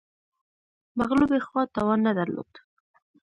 مغلوبې خوا توان نه درلود